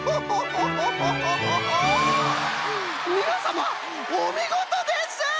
みなさまおみごとです！